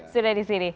sudah di sini